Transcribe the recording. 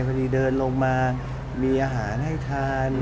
พอดีเดินลงมามีอาหารให้ทาน